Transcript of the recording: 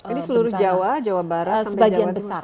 ini seluruh jawa jawa barat sampai jawa tengah